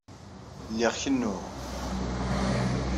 Lliɣ kennuɣ.